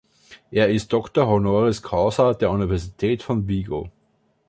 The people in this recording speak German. Er ist Doktor Honoris Causa der Universität von Vigo.